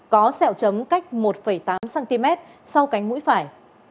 có sẹo chấm cách một tám cm sau cánh mũi phải